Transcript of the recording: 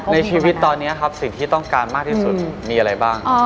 ในชีวิตตอนนี้ครับสิ่งที่ต้องการมากที่สุดมีอะไรบ้าง